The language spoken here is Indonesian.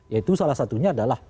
yaitu salah satunya adalah